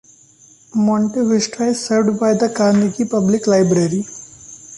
Monte Vista is served by the Carnegie Public Library.